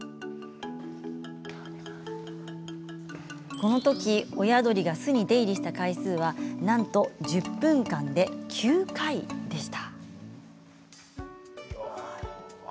このとき親鳥が巣に出入りした回数はなんと１０分間で９回でした。